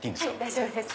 大丈夫です。